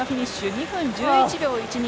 ２分１１秒１２。